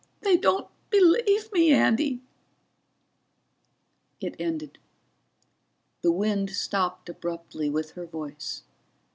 They don't believe me, Andy ..." It ended. The wind stopped abruptly with her voice.